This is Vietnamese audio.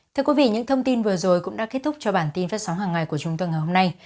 thưa quý vị những thông tin vừa rồi cũng đã kết thúc cho bản tin phát sóng hàng ngày của chúng tôi ngày hôm nay